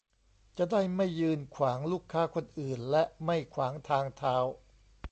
จะได้ไม่ยืนขวางลูกค้าคนอื่นและไม่ขวางทางเท้า